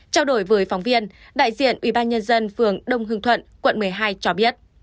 trao đổi với phóng viên đại diện ủy ban nhân dân phường đông hương thuận quận một mươi hai cho biết